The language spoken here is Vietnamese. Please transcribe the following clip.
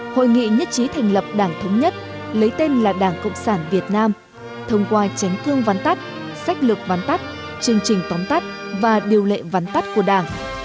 hội nghị nhất trí thành lập đảng thống nhất lấy tên là đảng cộng sản việt nam thông qua tránh thương ván tắt sách lược ván tắt chương trình tóm tắt và điều lệ ván tắt của đảng